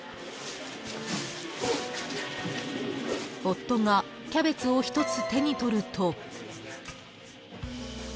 ［夫がキャベツを１つ手に取ると］